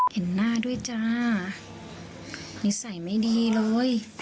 เห็นหน้าด้วยจ้านิสัยไม่ดีเลย